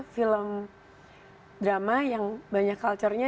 film drama yang banyak culture nya